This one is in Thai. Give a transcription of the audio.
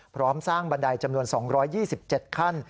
พร้อมสร้างบันไดจำนวน๒๒๗ขั้น